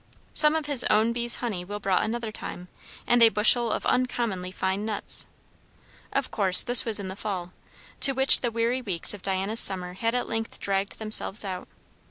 Some of his own bees' honey Will brought another time, and a bushel of uncommonly fine nuts. Of course this was in the fall, to which the weary weeks of Diana's summer had at length dragged themselves out.